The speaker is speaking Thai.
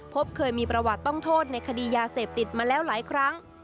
พบเคยมีประวัติต้องโทษในคดียาเสพติดมาแล้วหลายครั้ง